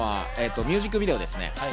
ミュージックビデオですね。